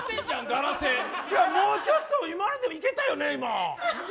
もうちょっと、今のでもいけたよね？